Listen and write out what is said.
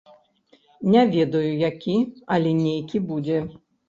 Не ведаю які, але нейкі будзе.